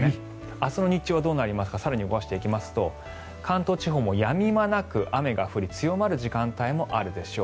明日の日中はどうなるか更に動かしていきますと関東地方もやみ間なく雨が降り強まる時間帯もあるでしょう。